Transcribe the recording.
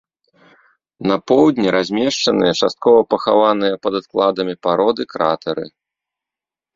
На поўдні размешчаныя часткова пахаваныя пад адкладамі пароды кратэры.